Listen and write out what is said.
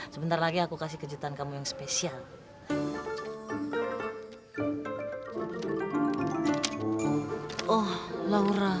sebentar lagi aku kasih kejutan kamu yang spesial